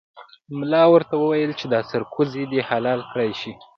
ملا ورته وویل چې دا سرکوزی دې حلال کړای شي.